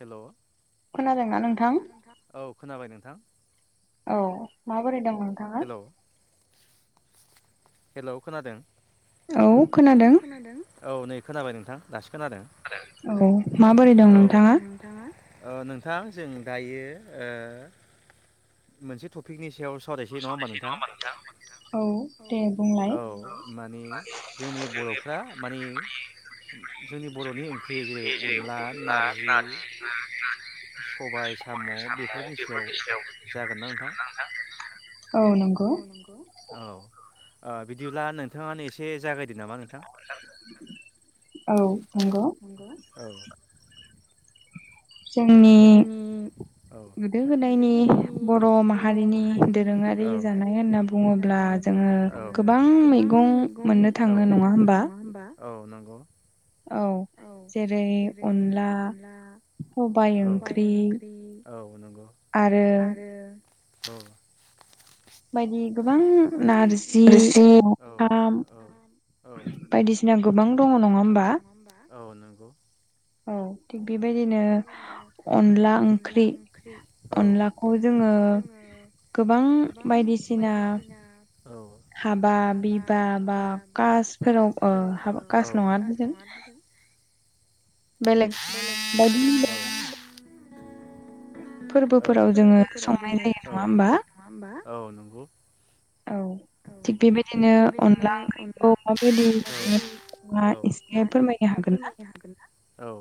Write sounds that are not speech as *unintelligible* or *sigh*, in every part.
हेल' खोनादोंना नोंथां? औ माबोरै दं हेल' हेल' खोनादों औ खोनादों खोनाबायनोंथां दासिम औ माबोरै दं नोंथाङा? ओ नोंथां जों दायो ओ मोनसे थपिकनि सायाव सावरायसै नङा होमबा नोंथां नोंथ औ माने जोंनि बर र'फ्रा माने जोंनि बर'नि ओंख्रि जेरै अनला नार्जि सबाय साम' बेफोरनि सायाव जागोनना नोंथां? औ नंगौ ओ बिदिब्ला नोंथाङानो एसे जागाय औ औ नंगौ औ जोंनि गोदो गोदायनि बर' माहारिनि दोरोङा दोरोङारि जानाय होनना बुङोब्ला जोङो गोबां मैगं मोननो थाङो नङा होमबा औ नोंगौ जेरै अनला औ सबाय ओंख्रि औ नंगौ आरो औ बायदि गोबां नारजि नखाम औ बायदिसिना गोबां दङ नङा होमबा औ नंगौ बेबायदिनो अनला ओंख्रि अनला दाखौ जोङो गोबां बायदिसिना हाबा बिबा बा कासफोराव ओ कास नङा औ फोरफोराव जोङो संनाय जायो नङा होमबा औ नंगौ थिग बेबायदिनो अनला ओंख्रिखौ माबायदि एसे फोरमायनो फोरमायनो हागोन न औ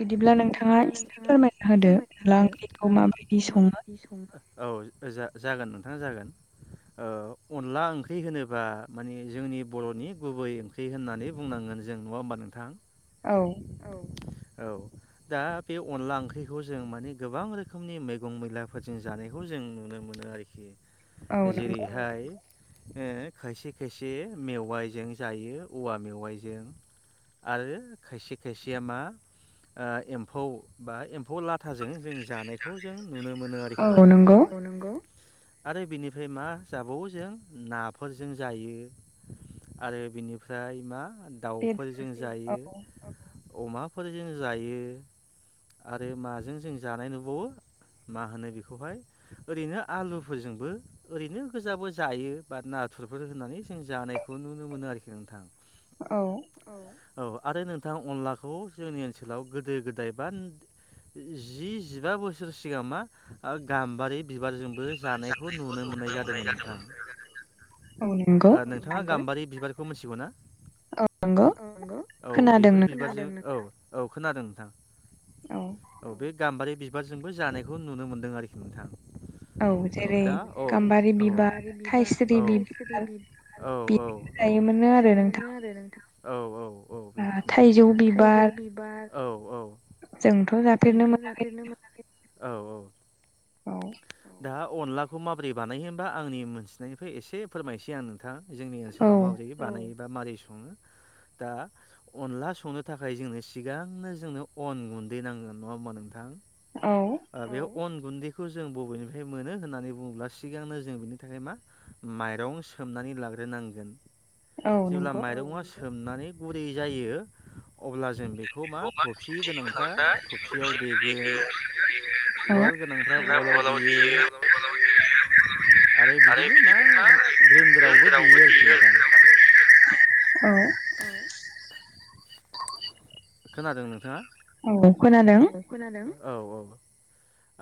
बिदिब्ला नोंथाङा इसे फोरमायना होदो अनला ओंख्रिखौ माबायदि सङो औ जा-जागोन नोंथाङा जागोन ओ अनला ओंख्रि होनोबा माने जोंनि बर'नि गुबै ओंख्रि होननानै बुंनांगोन जों नङा होमबा नोंथां? औ औ दा बे अनला ओंख्रिखौ जों माने गोबां रोखोमनि मैगं मैलाफोरजों जानायखौ जों नुनो मोनो मोन आरोखि जेरैहाय ओ खायसे खायसे मेवाइजों जायो औवा मेवाइजों आरो खायसे खायसेया मा ओ एम्फौ बा फौ लाथाजों जों जानायखौ जों नुनो मोनो आरोखि नोंथां नंगौ। आरो बिनिफ्राय मा जाबावो जों नाफोरजों जायो। आरो बिनिफ्राय मा दाउफोरजों जायो। अमाफोरजों जायो आरो माजों जों जानाय नुबावो। मा होनो बेखौहाय ओरैनो आलुफोरजोंबो ओरैनो गोजाबो जायो बा नार नाथुरफोर होननानै जों जानायखौ नुनो मोनो आरोखि नोंथां औ। आरो नोंथाङा अनलाखौ जोंनि ओनसोलाव गोदो गोदाय बा न जि-जिबा बोसोर सिगां मा गाम्बारि बिबारजोंबो जानायखौ नुनो मोननाय जादोंमोन नोंथां। *unintelligible* नोंथाङा गाम्बारि बिबार मोनथिगौना ओ नंगौ खोनादोंना बिफोर बिबारजोंनो औ खोनादों नोंथां औ बे गाम्बारि बिबारजोंबो जानायखौ नुनो मोनदों आरोखि नोंथां। ओ दा अ-अ-अ गाम्बारि बिबार‌ औ-औ थाइसुरि बिबार *unintelligible* मोननो आरो नोंथां औ-औ औ बेफोरनो थाइजौ बिबार औ-औ जोंथ' जाथेनो मोनाखै औ-औ दा अनलाखौ माबोरै बानायो होनबा आंनि मोनन्थिनायनिफ्राय एसे फोरमायनोसै आं नोंथां जोंनि ओनसोलाव माबोरै बानायो बा माबोरै सङो दा अनला संनो थाखाय जोंनो सिगांनो जोंनो अन गुन्दै नांगोन नङा होमबा नोंथां बे अन गुन्दैखौ जों बबेनिफ्राय मोनो होननानै बुङोब्ला सिगांनो जों बिनि थाखाय मा माइरं सोमनाय लाग्रोनांगोन जेब्ला माइरं सोमनानै गुरै जायो। अब्ला जों बेखौ मा थफसि गोनांखा थफसियाव देगोन उवाल गोनांफ्रा उवालाव देयो आरो बिदिनो मा ग्रेन्दारावबो देयो आरोखि नोंथां औ खोनादों नोंथाङा। औ खोनादों। औ-औ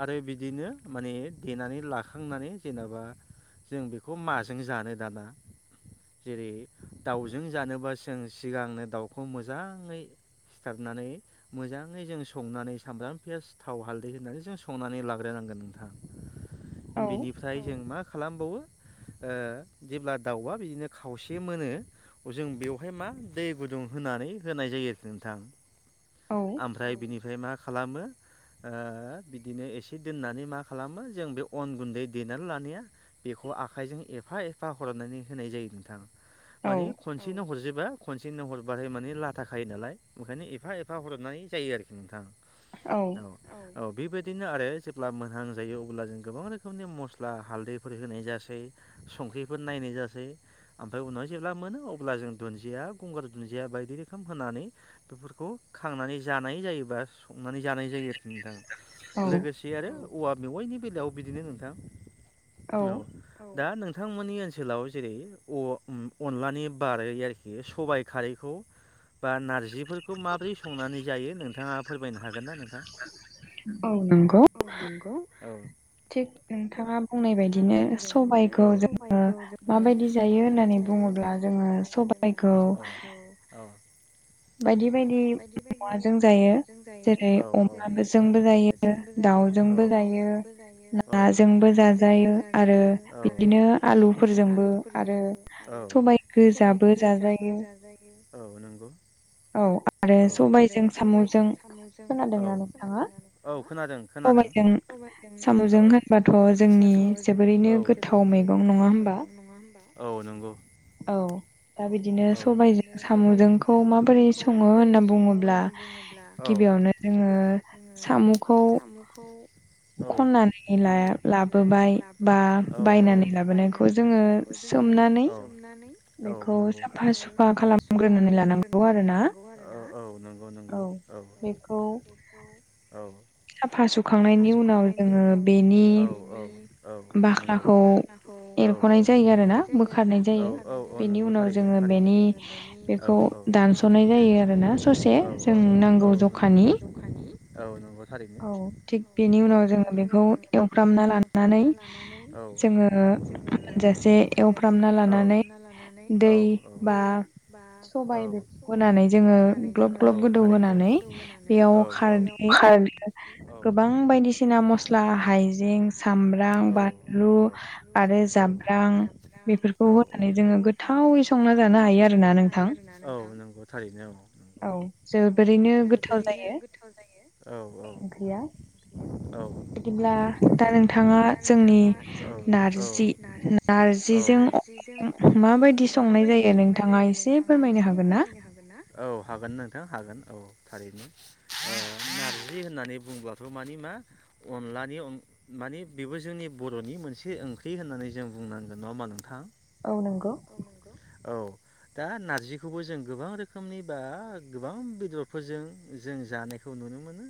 आरो बिदिनो माने देनानै लाखांनानै जेनेबा जों बेखौ माजों जानो दाना जेरै दाउजों जानोब्ला जों सिगांनो दाउखौ मोजाङै सिथारनानै मोजाङै जों संनानै सामब्राम पियास थाव हालदै होननानै जों संनानै लाग्रोनांगोन। नोंथां बेनिफ्राय जों मा खालामबावो। ओ जेब्ला दाउआ बिदिनो खावसे मोनो जों बेवहाय मा दै गुदुं होनानै होनाय जायो आरोखि नोंथां। ओमफ्राय बिनिफ्राय मा खालामो बिदिनो एसे दोननानै मा खालामो जों बे अन गुन्दै देनानै लानाया बेखौ खौ आखाइजों एफा एफा हरनानै होनाय जायो नोंथां माने खनसेनो हरजोबा। खनसेनो हरबाथाय माने लाथा खायो नालाय ओंखायनो एफा एफा हरनाय जायो आरोखि नोंथां। औ-औ बेबायदि बिदिनो आरो जेब्ला मोनहां जायो अब्ला जों गोबां रोखोमनि मस्ला हाल्दैफोर होनाय जासै। संख्रिफोर नाय जासै ओमफ्राय उनाव जेब्ला मोनो अब्ला जों दुन्दिया गंगार दुन्दिया बायदि रोखोम होनानै बेफोरखौ खांनानै जानाय जायोबा। संनानै जानाय जायो आरोखि नोंथां लोगोसे आरो औवा मेवाइनि बेलायाव बिदिनो नोंथां। औ दा नों नोंथांमोननि ओनसोलाव जेरै अनलानि बारै आरोखि सबाइ खारैखौ बा नारजिफोरखौ माबोरै संनानै जायो नोंथाङा फोरमायनो हागोन ना नोंथां। औ नोंगौ औ। थिग नोंथाङा बुंनाय बायदिनो सबायखौ जोङो माबायदि जायो होननानै बुङोब्ला जोङो सबायखौ औ बायदि बायदि माजों जायो जेरै अमा जोंबो जायो दावउजोंबो जायो नाजोंबो जाजायो आरो बिदिनो आलुफोर फोरजोंबो आरो सबाइ गोजाबो जाजायो औ नंगौ औ औ आरो सबाजों साम'जों औ खोनादों औ खोनादों खोनादों औ साम'जों होास्लाथ' जोंनि जोबोरैनो गोथाव मो हा औ नंगौ। औ दा बिदिनो बिनो सबाजों साम'जोंखौ माबोरै सङो होनना बुङोब्ला गिबियावनो जों गिबियावनो जोङो साम'खौ खननानै लाबोबाय बा बायनानै लाबोनायखौ जोङो हमनानै औ नंगौ साफा सुफा खालामग्रोनानै लानांगौ आरो औ औ नंगौ नंगौ औ औ। औ साफा सुखांनायनि उनाव जोङो औ औ औ नंगौ बाख्राखौ एरख'नाय जायो आरो ना बोखारनाय जायो बेनि उनाव जोङो। बेनि बेखौ दानस'नाय जायो आरोना ससे जों नांगौ जखानि औ नंगौ। औ थिग बेनि उनाव जोङो बेखौ एवफ्रामना लानानै जोङो मोनजासे एवफ्रामना लानानै दै बा सबाय बे होनानै जोङो ग्लब ग्लब गोदौ होनोनानै बेयाव खारदै गोबां बायदिसिना मस्ला हायजें सामब्राम बानलु। आरो जाब्रां बेफोरखौ होनानै जोङो गोथावै संना संना जानो हायो आरो ना औ नंगौ थारैनो औ औ जोबोरैनो गोथाव जायो ओंख्रिया औ बिदिब्ला दा नोंथाङा जोंनि नारजि नारजि जों अमाजों माबायदि संनाय जायो। बिदि संनाय जायोन नोंथाङा एसे फोरमायनो हागोन ना? औ हागोन नोंथां हागोन औ थारैनो नारजि होननानै बुंब्लाथ' मानि मा अनलानि माने बेबो जोंनि बर'नि मोनसे ओंख्रि होननानै जों बुंनांगोन नङा। होमबा नोंथां औ नंगौ औ दा नारजिखौबो जों गोबां रोखोमनि बा गोबां बेदरफोरजों जों जानायखौ नुनो मोनो।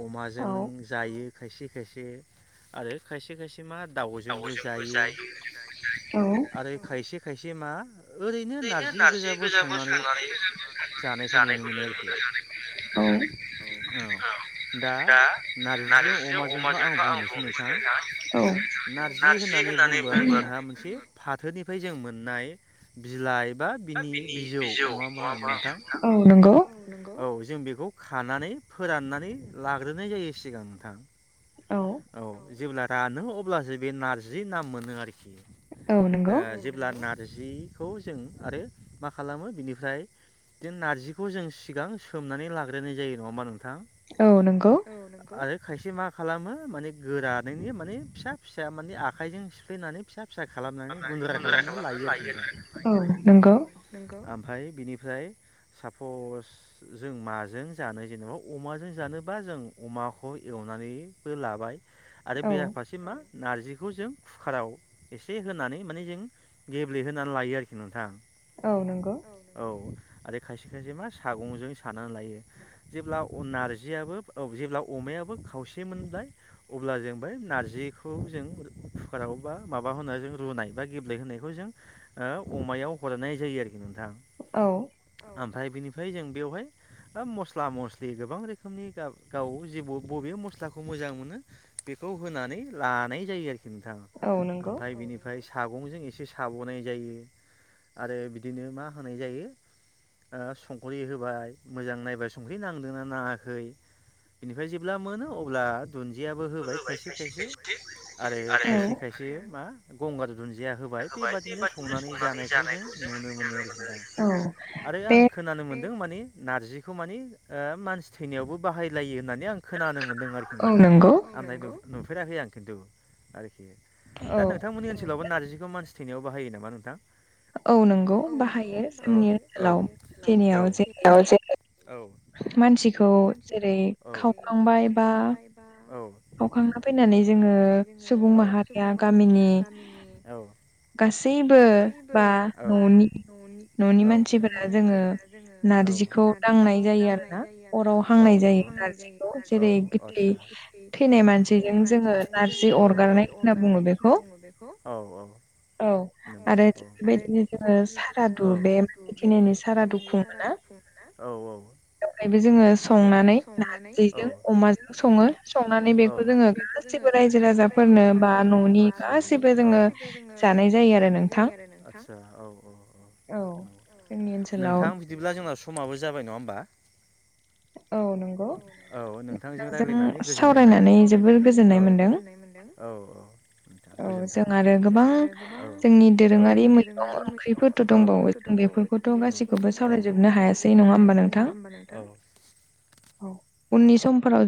अमाजों जायो खायसे खायसे आरो खायसे खायसे मा दाउजोंबो जायो आरो खायसे खायसे मा ओरैनो नारजि गोजाबो संनानै जानायखौ नुनो मोनो। औ औ दा नारजिजों अमाजोंखौ आं बुंनोसै नोंथां नारजि होननानै बुंथ' जोंहा मोनसे फाथोनिफ्राय जों मोननाय बिलाइ बा बिनि बिजौ नङाोमा नोंथां औ। जों बेखौ खानानै फोराननानै लाग्रोनाय जायो सिगां नोंथां औ जेब्ला रानो अब्लासो बे नारजि नाम मोनो आरोखि। ओ जेब्ला नारजिखौ जों आरो मा खालामो बिनिफ्राय बे नारजिखौ जों सिगां सोमनानै लाग्रोनाय जायो नङा मा होमबा नों थां। औ नोंखौ। आरो खायसे मा खालामो माने गोरानैनि माने फिसा फिसा माने आखायजों सिफ्लेनानै फिसा *unintelligible* गुनद्रा खालामना लायो। औ नोंगौ। फाय बिनिफ्राय सापस जों माजों जानो जेनेबा अमाजों जानोबा जों अमाखौ एव नानैबो लाबाय आरो बेराफारसे मा नारजिखौ जों कुकाराव एसे होनानै माने जों गेब्लेहोनानै लायो आरोखि नोंथां औ। औ आरो खायसे खायसे मा सागंजों सानानै लायो जेब्ला नारजियाबो जेब्ला अमायाबो खावसे मोनबाय अब्ला जों बै नारजिखौ जों कुकाराव बा माबा होनो जों रुनाय बा गेब्लेहोनायखौ जों ओ अमायाव हरनाय जायो आरोखि नोंथां। नाय बिनिफ्राय जों बेयावहाय ओ मस्ला मस्लि गोबां रोखोमनि गाव गाव जे बबे मस्ला खौ मोजां मोनो बेखौ होनानै लानाय जायो आरोखि नोंथां ओमफाय। औ। बिनिफाय सा गंजों एसे साब'नाय जायो आरो बिदिनो मा होनाय जायो ओ संखरि होबाय मोजां नायबाय संख्रि नांदोंना नाङाखै बिनिफ्राय जेब्ला मोनो अ ब्ला दुन्दियाबो होबाय खायसे खायसे आरो खायसे खायसे मा गंगार दुन्दिया होबाय बेबादिनो संनानै जानायखौ जों नुनो मोनो आरोखि दा आरो आं खोनानो मोनदों *unintelligible* माने नारजिखौ माने ओ मानसि थैनायावबो बाहायलायो होननानै आं खोनानो मोन खि नोंथां। औ। *unintelligible* नुफेराखै आं खिन्थु आरोखि दा नोंथांमोननि ओनसोलावबो नारजिखौ मानसि थैनायाव बाहायो नामा नोंथां? औ नोंगौ बाहायो बे ओनसोलाव। औ औ औ। *unintelligible* औ। मानसि मानसिखौ। औ। जेरै खावखांबाय बा। औ खावखांना फैनानै जोङो सुबुं माहारिया गामिनि गासैबो बा न'नि न'नि मानसिफोरा जोङो नार औ। नारजिखौ नांनाय जायो आरो हांनाय जायो नारजिखौ जेरै गोथै थैनाय मानसिजों जोङो। औ औ। अरगारनाय होनना बुङो बेखौ। औ औ औ। औ। औ। आरो बेबायदिनो जोङो, औ। सारादु बे मनि सारादु खुंना औ औ। फायबो जोङो संनानै नारजिजों अमाजों सङो संनानै बेखौ जोङो गासिबो रायजो राजाफोरनो बा न'नि गाैबो जोङो जानाय जायो आरो नोंथां। औ औ औ औ औ। नोंथां बिदिब्ला जोंना सम माबो जाबाय नङा होमबा औ। औ नोंथांजों रायलायनानै गोजोननाय मोनबाय। सावरायनानै जोबोर गोजोननाय मोन मोनदों। औ औ नोंथां गोजोन थों। औ। औ जों आरो गोबां जोंनि दोरोङारि औ बेथ' दंबावो औ बेफोरखौथ'औ गाैखौबो सावरायजोबनो हायासै नङा होमबा नोंथां। औ औ उननि समफोराव